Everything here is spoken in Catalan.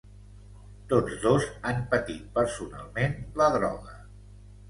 Tots dos han patit personalment la droga.